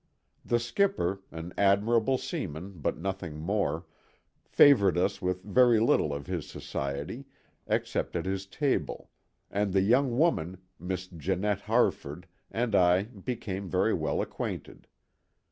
The skipper, an admirable seaman but nothing more, favored us with very little of his society, except at his table; and the young woman, Miss Janette Harford, and I became very well acquainted.